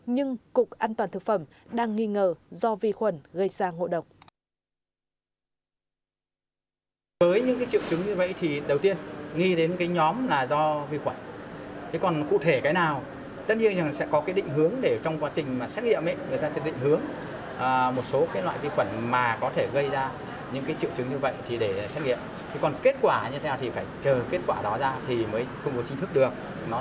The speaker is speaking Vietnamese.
nhưng cục an toàn thực phẩm đang nghi ngờ do vi khuẩn gây ra ngộ độc